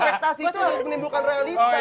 ekspetasi itu harus menimbulkan realitas